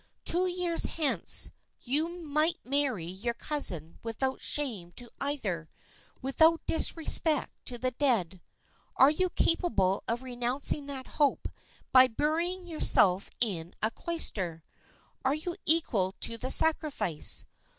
Two years hence you might marry your cousin without shame to either, without disrespect to the dead. Are you capable of renouncing that hope by burying yourself in a cloister? Are you equal to the sacrifice?